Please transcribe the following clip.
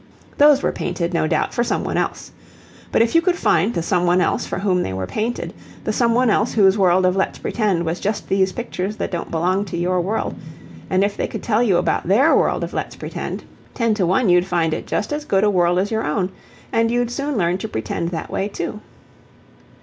Those were painted, no doubt, for some one else. But if you could find the some one else for whom they were painted, the some one else whose world of 'Let's pretend' was just these pictures that don't belong to your world, and if they could tell you about their world of 'Let's pretend,' ten to one you'd find it just as good a world as your own, and you'd soon learn to 'pretend' that way too.